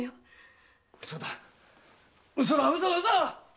ウソだウソだウソだウソだ！